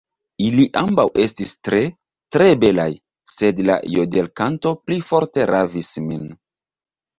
Ili ambaŭ estis tre, tre belaj, sed la jodelkanto pli forte ravis min.